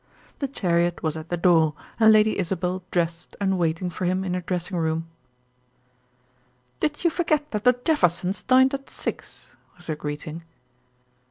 The chariot was at the door, and Lady Isabel dressed and waiting for him in her dressing room. "Did you forget that the Jeffersons dined at six?" was her greeting.